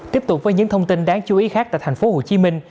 tiếp tục với những thông tin đáng chú ý khác tại tp hcm